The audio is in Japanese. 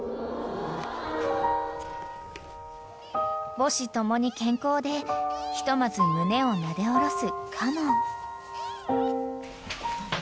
［母子共に健康でひとまず胸をなで下ろす嘉門］